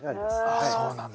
ああそうなんだ。